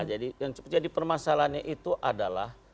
jadi permasalahannya itu adalah